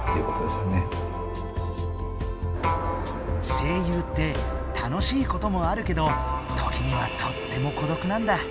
声優って楽しいこともあるけど時にはとっても孤独なんだ。